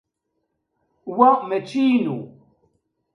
Wa mačči inu.